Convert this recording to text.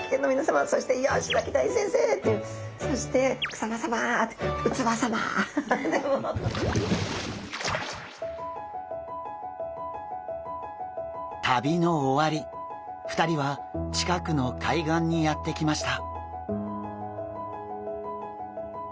そして旅の終わり２人は近くの海岸にやって来ました。